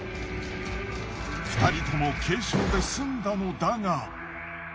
２人とも軽傷で済んだのだが。